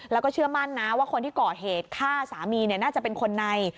แล้วก็เชื่อมั่นนะว่าคนที่ก่อเหตุฆ่าสามีน่าจะเป็นคนใน